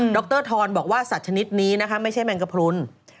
รทรบอกว่าสัตว์ชนิดนี้นะคะไม่ใช่แมงกระพรุน